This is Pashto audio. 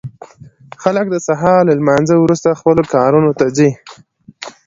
خلک د سهار له لمانځه وروسته خپلو کارونو ته ځي.